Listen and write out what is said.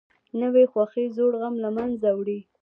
نوې خوښي زوړ غم له منځه وړي